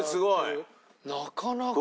なかなか。